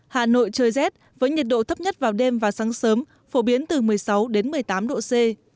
hà nội trời rét với nhiệt độ thấp nhất vào đêm và sáng sớm phổ biến từ một mươi sáu đến một mươi tám độ c